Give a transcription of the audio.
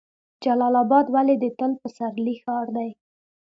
جلال اباد ولې د تل پسرلي ښار دی؟